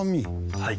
はい。